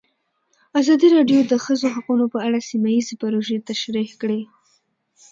ازادي راډیو د د ښځو حقونه په اړه سیمه ییزې پروژې تشریح کړې.